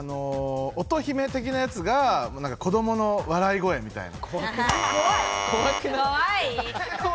音姫的なやつが子どもの笑い声みたいな。